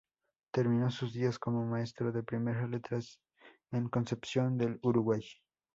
Terminó sus días como maestro de primeras letras en Concepción del Uruguay.